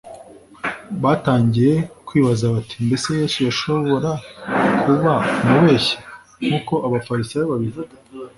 batangiye kwibaza bati, mbese yesu yashobora kuba umubeshyi, nk’uko abafarisayo babivuga?